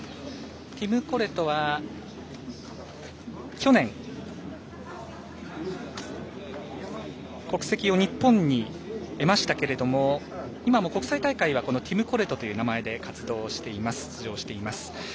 ティム・コレトは去年国籍を日本に得ましたけれども今も国際大会はティム・コレトという名前で出場しています。